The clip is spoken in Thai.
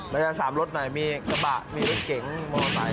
แล้วก็๓รสหน่อยมีกระบะมีรสเก๋งมอเตอร์ไซค์